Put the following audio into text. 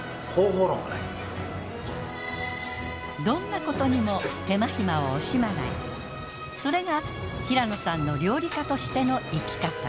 どんなことにも手間暇を惜しまないそれが平野さんの料理家としての生き方。